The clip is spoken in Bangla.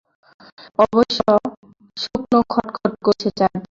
এখন অবশ্যি শুকনো খটখট করছে চারদিকে।